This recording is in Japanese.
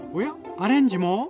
アレンジも？